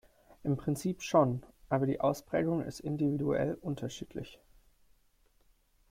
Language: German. Im Prinzip schon, aber die Ausprägung ist individuell unterschiedlich.